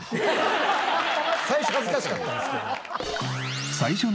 最初恥ずかしかったんですけど。